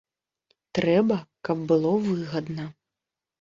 Трэба, каб было выгадна.